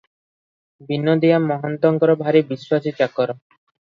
ବିନୋଦିଆ ମହନ୍ତଙ୍କର ଭାରି ବିଶ୍ୱାସୀ ଚାକର ।